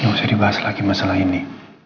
nggak usah dibahas lagi masalah ini